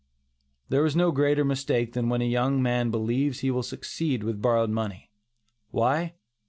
There is no greater mistake than when a young man believes he will succeed with borrowed money. Why?